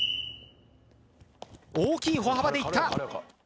大きい歩幅でいった。